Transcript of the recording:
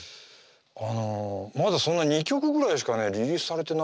まだそんな２曲ぐらいしかリリースされてないんですけどね